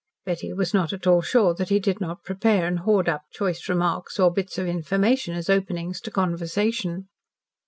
Betty was not at all sure that he did not prepare and hoard up choice remarks or bits of information as openings to conversation.